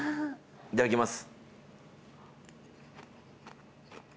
いただきます。